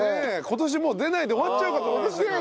今年もう出ないで終わっちゃうかと思いましたけど。